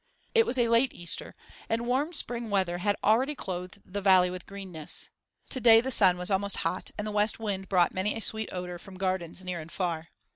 It was a late Easter, and warm spring weather had already clothed the valley with greenness; to day the sun was almost hot, and the west wind brought many a sweet odour from gardens near and far.